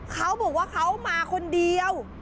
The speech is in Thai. เขาบอกว่าเขามาคนเดียว